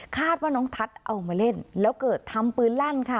คาดว่าน้องทัศน์เอามาเล่นแล้วเกิดทำปืนลั่นค่ะ